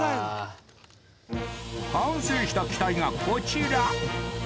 完成した機体がこちら！